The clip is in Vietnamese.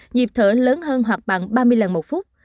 nhịp thở lớn hơn hoặc bằng ba mươi lần một phút